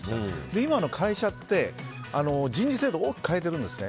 今の会社って人事制度を大きく変えてるんですね。